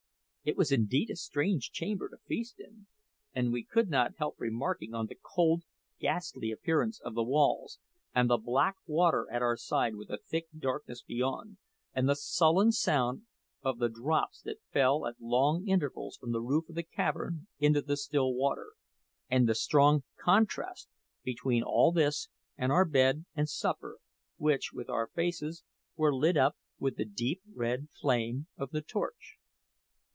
It was indeed a strange chamber to feast in; and we could not help remarking on the cold, ghastly appearance of the walls, and the black water at our side with the thick darkness beyond, and the sullen sound of the drops that fell at long intervals from the roof of the cavern into the still water, and the strong contrast between all this and our bed and supper, which, with our faces, were lit up with the deep red flame of the torch.